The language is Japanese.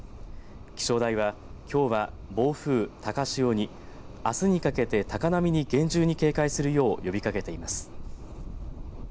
気象台は、きょうは暴風、高潮にあすにかけて高波に厳重に警戒するよう呼びかけています。